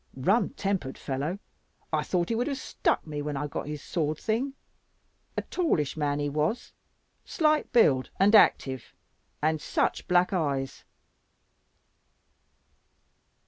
Rum tempered fellow. I thought he would have stuck me when I got his sword thing. A tallish man he was, slight build, and active, and such black eyes."